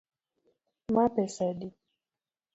Ma pesa adi